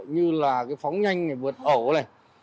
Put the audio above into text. như là phóng nhanh vượt ẩu này